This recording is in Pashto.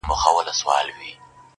یوه لوی کمر ته پورته سو ډېر ستړی،